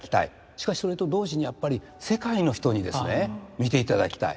しかしそれと同時にやっぱり世界の人にですね見ていただきたい。